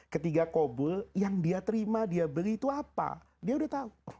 ketiga kobul yang dia terima dia beli itu apa dia udah tahu